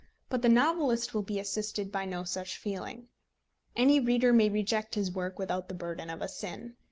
But the novelist will be assisted by no such feeling. Any reader may reject his work without the burden of a sin.